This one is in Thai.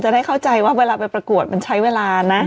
ได้เข้าใจว่าเวลาไปประกวดมันใช้เวลานะ